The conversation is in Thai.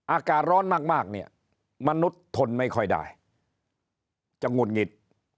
อากาศร้อนมากเนี่ยมนุษย์ทนไม่ค่อยได้จะหงุดหงิด